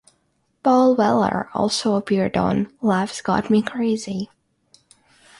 Paul Weller also appeared on "Love's Got Me Crazy".